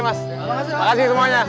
mas makasih semuanya